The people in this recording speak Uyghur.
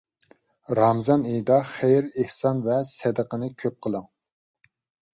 رامىزان ئېيىدا خەير-ئېھسان ۋە سەدىقىنى كۆپ قىلىڭ.